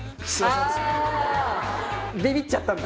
びびっちゃったんだ。